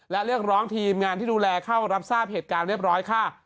และเรียกร้องทีมงานที่ดูแลเข้ารับทราบเหตุการณ์เรียบร้อยค่ะ